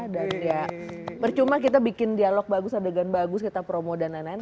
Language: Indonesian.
dan ya bercuma kita bikin dialog bagus adegan bagus kita promo dan lain lain